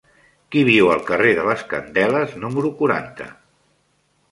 Qui viu al carrer de les Candeles número quaranta?